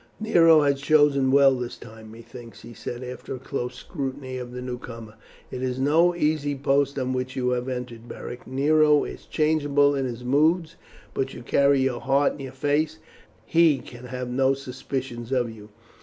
"Nero has chosen well this time, methinks," he said after a close scrutiny of the newcomer. "It is no easy post on which you have entered, Beric. Nero is changeable in his moods, but you carry your heart in your face, and even he can have no suspicions of you.